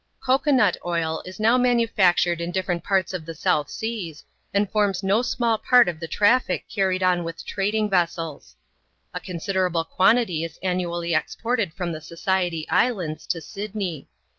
Cocoa nut oil is now manufactured in different parts of the South Seas, and forms no small part of the trafl&c carried on with trading vessels. A considerable quantity is annually ex ported from the Society Islands to Sydney.